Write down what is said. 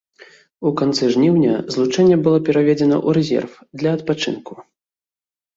У канцы жніўня злучэнне было пераведзена ў рэзерв для адпачынку.